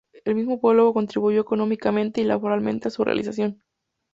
El mismo pueblo contribuyó económicamente y laboralmente a su realización.